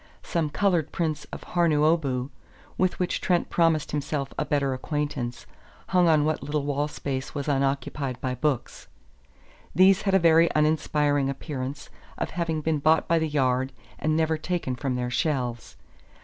Some colored prints of Harunobu, with which Trent promised himself a better acquaintance, hung on what little wall space was unoccupied by books. These had a very uninspiring appearance of having been bought by the yard and never taken from their shelves.